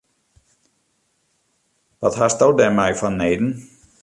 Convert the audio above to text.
Wat hasto dêrmei fanneden?